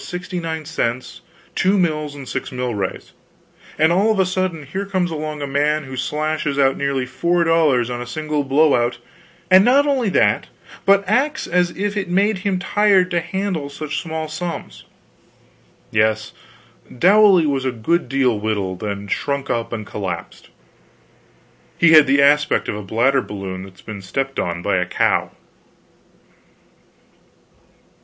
6 (sixty nine cents, two mills and six milrays), and all of a sudden here comes along a man who slashes out nearly four dollars on a single blow out; and not only that, but acts as if it made him tired to handle such small sums. Yes, Dowley was a good deal wilted, and shrunk up and collapsed; he had the aspect of a bladder balloon that's been stepped on by a cow.